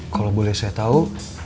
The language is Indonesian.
kalau boleh saya tahu